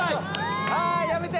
あやめて！